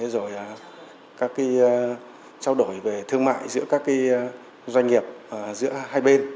rồi các trao đổi về thương mại giữa các doanh nghiệp giữa hai bên